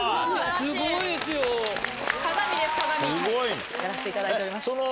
すごい！やらせていただいております。